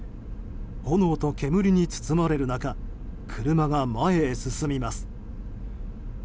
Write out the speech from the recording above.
炎と煙に包まれる中車が前へ進みます。